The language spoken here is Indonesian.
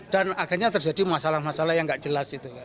dan akhirnya terjadi masalah masalah yang gak jelas